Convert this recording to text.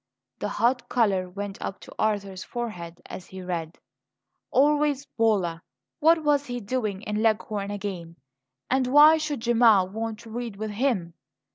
The hot colour went up to Arthur's forehead as he read. Always Bolla! What was he doing in Leghorn again? And why should Gemma want to read with him?